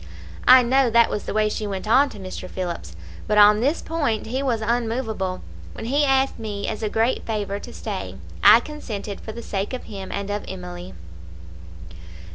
I know that was the way she went on to Mr. Phillips, but on this point he was unmovable. When he asked me as a great favour to stay, I consented for the sake of him and of Emily.